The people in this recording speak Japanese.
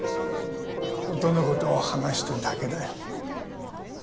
本当のことを話しただけだよ。